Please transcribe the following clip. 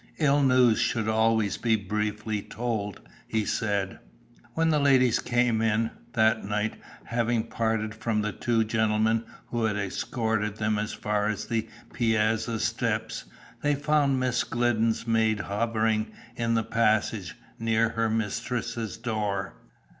"Ill news should always be briefly told," he said. When the ladies came in, that night, having parted from the two gentlemen who had escorted them as far as the piazza steps, they found Miss Glidden's maid hovering in the passage, near her mistress's door.